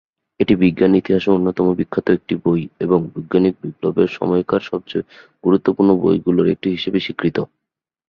এটি বিজ্ঞানের ইতিহাসে অন্যতম বিখ্যাত একটি বই এবং বৈজ্ঞানিক বিপ্লবের সময়কার সবচেয়ে গুরুত্বপূর্ণ বইগুলোর একটি হিসেবে স্বীকৃত।